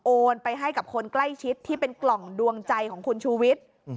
ไปให้กับคนใกล้ชิดที่เป็นกล่องดวงใจของคุณชูวิทย์